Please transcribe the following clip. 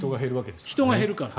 人が減るから。